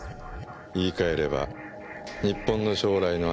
言い換えれば日本の将来の安全のため。